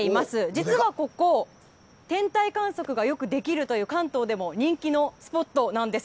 実はここ天体観測がよくできるという関東でも人気のスポットです。